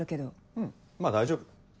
うんまぁ大丈夫。